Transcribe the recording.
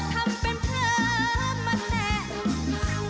ทำเป็นเพลิมมาแน่